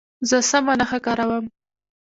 زه سمه نښه کاروم.